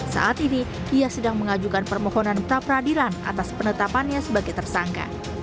saat ini ia sedang mengajukan permohonan pra peradilan atas penetapannya sebagai tersangka